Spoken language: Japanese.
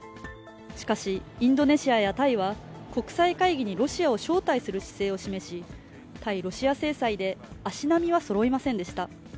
しかし、インドネシアやタイは国際会議にロシアを招待する姿勢を示し、対ロシア制裁で足並みはそろいませんでした。